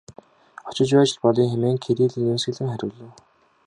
Очиж байж л болъё хэмээн Кирилл инээмсэглэн хариулав.